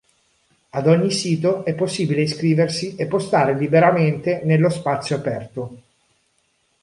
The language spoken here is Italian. Ad ogni sito è possibile iscriversi e postare liberamente nello spazio aperto.